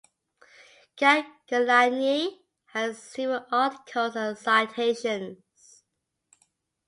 Kyagulanyi has several articles and citations.